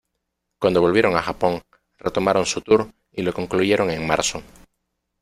Cuando volvieron a Japón, retomaron su tour y lo concluyeron en marzo.